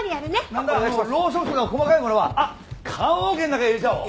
なんだロウソクとか細かいものはあっ棺桶の中に入れちゃおう。